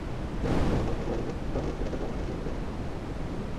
Federation কাপের quarter ফাইনালে কাল মুক্তিযোদ্ধার কাছে অবশ্য হেরে গেছে ব্রাদার্স।